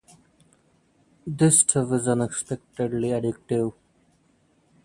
This stuff is unexpectedly addictive.